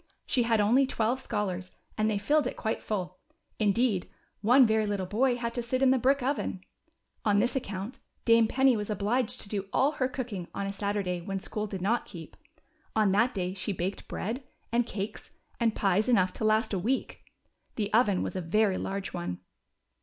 She had only twelve scholars, and they filled it quite full ; indeed one very little hoy had to sit in the hrick oven. On this account Dame Penny was obliged to do all her cooking on a Satur day when school did not keep ; on that day she baked 254 THE SILVER HEN. 255 bread, and cakes, and pies enough to last a week. The oven was a very large one.